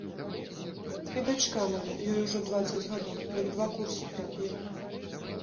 І дачка мая, ёй ужо дваццаць гадоў, дык два курсы прапіла.